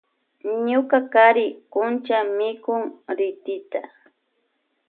Ñuka kari kuncha mikun ritita.